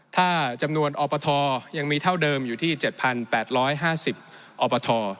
ถ้าจำนวนอปทยังมีเท่าเดิมอยู่ที่๗๘๕๐อปท